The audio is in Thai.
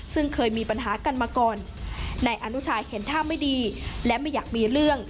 ซึ่งเคยมีปัญหากันมาก่อนนายอนุชายเห็นท่าไม่ดีและไม่อยากมีเรื่อง